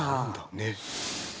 ねっ。